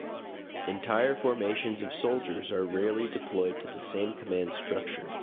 Entire formations of soldiers are rarely deployed to the same command structure.